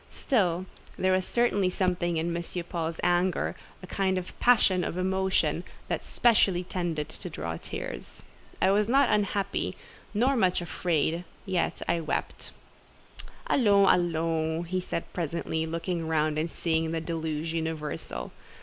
Still there certainly was something in M. Paul's anger—a kind of passion of emotion—that specially tended to draw tears. I was not unhappy, nor much afraid, yet I wept. "Allons, allons!" said he presently, looking round and seeing the deluge universal.